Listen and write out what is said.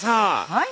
はい？